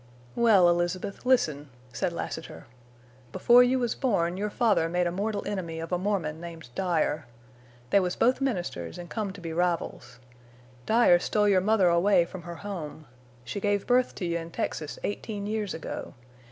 "Well, Elizabeth, listen," said Lassiter. "Before you was born your father made a mortal enemy of a Mormon named Dyer. They was both ministers an' come to be rivals. Dyer stole your mother away from her home. She gave birth to you in Texas eighteen years ago.